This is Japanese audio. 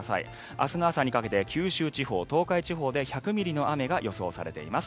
明日の朝にかけて九州地方東海地方で１９０ミリの雨が予想されています。